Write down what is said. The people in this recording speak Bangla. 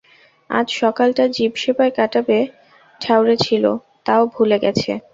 আজ সকালটা জীবসেবায় কাটাবে ঠাউরেছিল, তাও গেছে ভুলে।